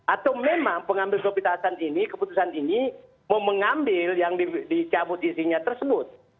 atau memang pengambil keputusan ini keputusan ini mau mengambil yang dicabut izinnya tersebut